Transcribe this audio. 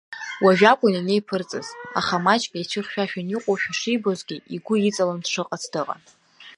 Уажәакәын ианеиԥырҵыз, аха, маҷк еицәыхьшәашәан иҟоушәа шибозгьы, игәы иҵалан дшыҟац дыҟан.